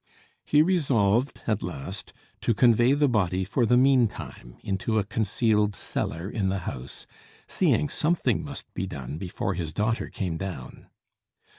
He resolved at last to convey the body for the meantime into a concealed cellar in the house, seeing something must be done before his daughter came down.